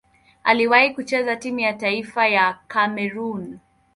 Aliwahi kucheza timu ya taifa ya Kamerun.